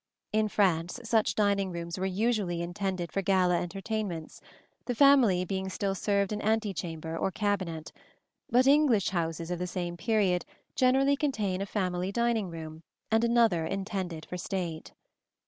In France such dining rooms were usually intended for gala entertainments, the family being still served in antechamber or cabinet; but English houses of the same period generally contain a family dining room and another intended for state.